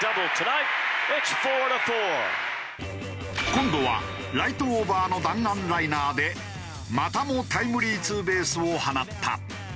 今度はライトオーバーの弾丸ライナーでまたもタイムリーツーベースを放った。